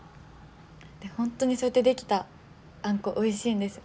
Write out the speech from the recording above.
本当にそうやって出来たあんこおいしいんです。